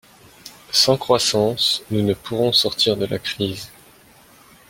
Sans croissance, nous ne pourrons sortir de la crise.